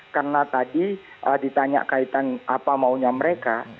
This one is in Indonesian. karena tadi ditanya kaitan apa maunya mereka